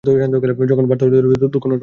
যখন বার্তা লইতে বিলম্ব হয়, তখন আরও কত দূর!